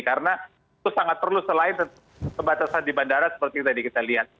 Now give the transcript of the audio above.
karena itu sangat perlu selain pembatasan di bandara seperti tadi kita lihat